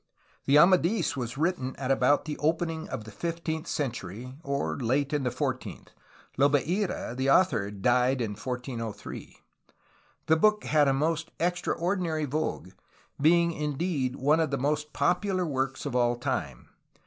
The Amadis was written at about the opening of the fifteenth century or late in the fourteenth; Lobeira, the author, died in 1403. The book had a most extraordinary vogue, being indeed one of the most popular works of all time.